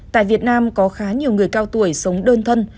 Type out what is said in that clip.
tại việt nam có khá nhiều người cao tuổi sống đơn thân